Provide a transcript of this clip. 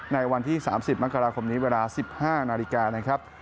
ในวันที่๓๐มกราคมนี้เวลา๑๕นาฬิกานะครับ